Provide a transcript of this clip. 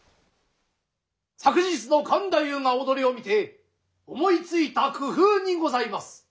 昨日の勘太夫が踊りを見て思いついた工夫にございます。